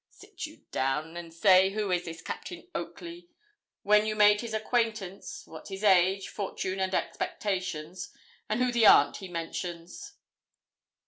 Sit you down, and say who is this Captain Oakley, when you made his acquaintance, what his age, fortune, and expectations, and who the aunt he mentions.'